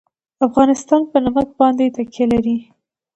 افغانستان په نمک باندې تکیه لري.